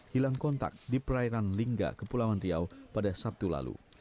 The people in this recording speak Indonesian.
hilang kontak di perairan lingga kepulauan riau pada sabtu lalu